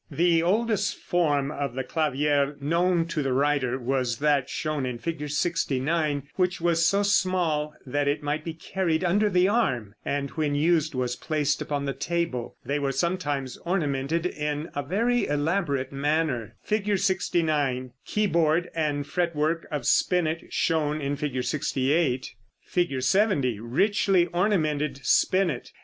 The oldest form of the clavier known to the writer was that shown in Fig. 69, which was so small that it might be carried under the arm, and when used was placed upon the table. They were sometimes ornamented in a very elaborate manner. [Illustration: Fig. 69. KEYBOARD AND FRET WORK OF SPINET SHOWN IN FIG. 68.] [Illustration: Fig. 70. RICHLY ORNAMENTED SPINET.